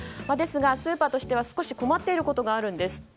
ですが、スーパーとしては少し困っていることがあるんです。